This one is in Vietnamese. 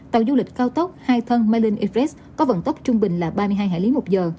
tàu du lịch cao tốc hai thân malin edes có vận tốc trung bình là ba mươi hai hải lý một giờ